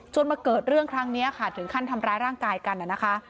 มาเกิดเรื่องครั้งนี้ค่ะถึงขั้นทำร้ายร่างกายกันนะคะ